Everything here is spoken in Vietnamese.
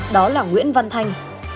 đó là nguyễn văn thành